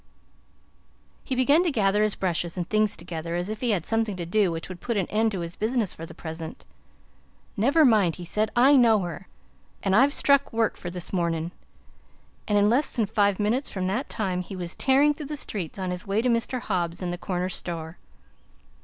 He began to gather his brushes and things together, as if he had something to do which would put an end to his business for the present. "Never mind," he said. "I know her! An I've struck work for this mornin'." And in less than five minutes from that time he was tearing through the streets on his way to Mr. Hobbs and the corner store.